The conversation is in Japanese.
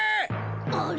あれ？